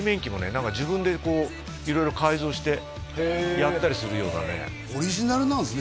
何か自分でこう色々改造してやったりするようなねオリジナルなんですね